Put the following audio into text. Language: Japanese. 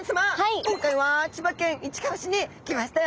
今回は千葉県市川市に来ましたよ！